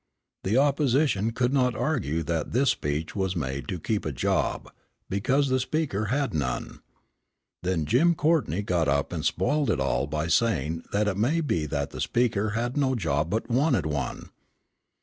The opposition could not argue that this speech was made to keep a job, because the speaker had none. Then Jim Courtney got up and spoiled it all by saying that it may be that the speaker had no job but wanted one.